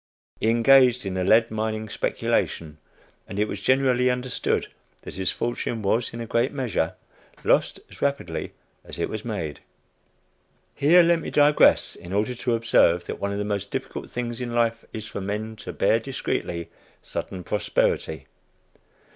He engaged in a lead mining speculation, and it was generally understood that his fortune was, in a great measure, lost as rapidly as it was made. Here let me digress, in order to observe that one of the most difficult things in life is for men to bear discreetly sudden prosperity.